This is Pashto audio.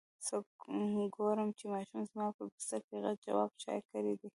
څه ګورم چې ماشوم زما په بستره کې غټ جواب چای کړی دی.